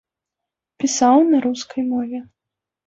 Пісаў на рускай мове.